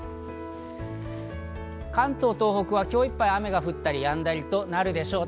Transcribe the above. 関東、東北は今日いっぱい雨が降ったりやんだりとなるでしょう。